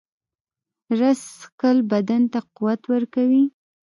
رس څښل بدن ته قوت ورکوي